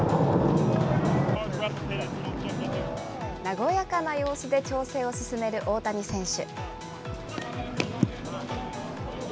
和やかな様子で調整を進める大谷選手。